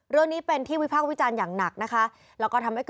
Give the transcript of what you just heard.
เรื่องนี้เป็นที่วิพากษ์วิจารณ์อย่างหนักนะคะ